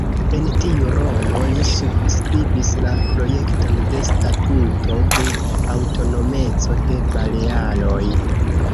En tiu rolo li subskribis la projekton de Statuto de aŭtonomeco de Balearoj.